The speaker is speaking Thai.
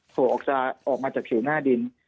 โผล่ออกมาจากผิวหน้าดิน